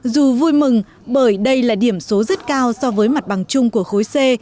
dù vui mừng bởi đây là điểm số rất cao so với mặt bằng chung của khối c